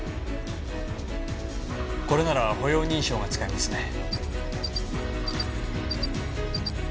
これなら歩容認証が使えますね。